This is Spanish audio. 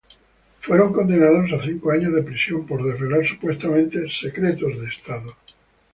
Fueron condenados a cinco años de prisión por desvelar supuestamente "secretos de Estado".